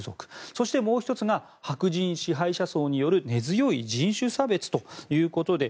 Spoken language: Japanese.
そしてもう１つが白人支配者層による根強い人種差別ということで